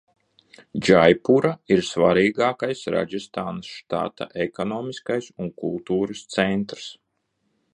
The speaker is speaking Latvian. Džaipura ir svarīgākais Rādžastānas štata ekonomiskais un kultūras centrs.